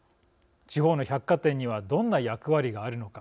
地方の百貨店にはどんな役割があるのか。